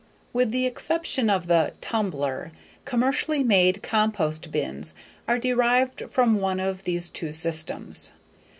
With the exception of the "tumbler," commercially made compost bins are derived from one of these two systems.